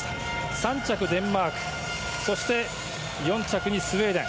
３着、デンマークそして、４着にスウェーデン。